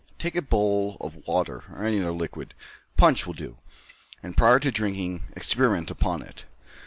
Take a bowl of water or any other liquid punch will do and, prior to drinking, experiment upon it.